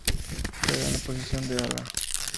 Juega en la posición de ala.